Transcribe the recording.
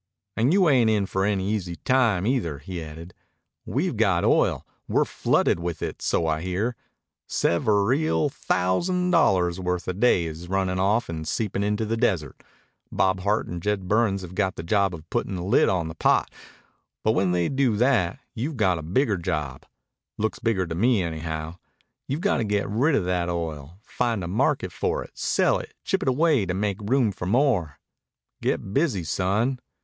"And you ain't in for any easy time either," he added. "We've got oil. We're flooded with it, so I hear. Seve re al thousand dollars' worth a day is runnin' off and seepin' into the desert. Bob Hart and Jed Burns have got the job of puttin' the lid on the pot, but when they do that you've got a bigger job. Looks bigger to me, anyhow. You've got to get rid of that oil find a market for it, sell it, ship it away to make room for more. Get busy, son."